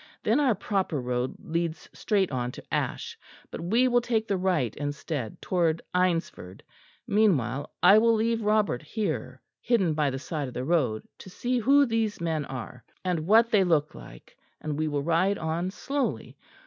Then our proper road leads straight on to Ash, but we will take the right instead, towards Eynsford. Meanwhile, I will leave Robert here, hidden by the side of the road, to see who these men are, and what they look like; and we will ride on slowly.